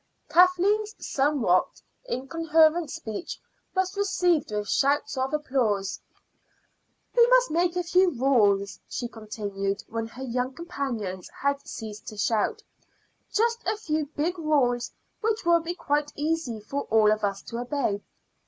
Kathleen's somewhat incoherent speech was received with shouts of applause. "We must make a few rules," she continued when her young companions had ceased to shout "just a few big rules which will be quite easy for all of us to obey."